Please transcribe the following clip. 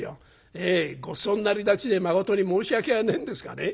ええごちそうになりだちでまことに申し訳がねえんですがね